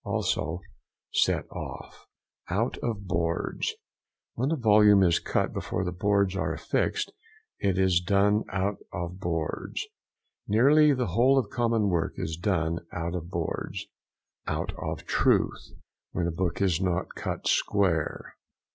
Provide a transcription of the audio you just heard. (Also SET OFF.) OUT OF BOARDS.—When a volume is cut before the boards are affixed, it is done out of boards. Nearly the whole of common work is done out of boards. OUT OF TRUTH.—When a book is not cut square.